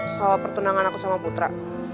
soal pertunangan aku sama putra